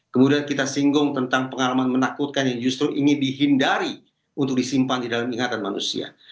kemudian kita singgung tentang pengalaman menakutkan yang justru ingin dihindari untuk disimpan di dalam ingatan manusia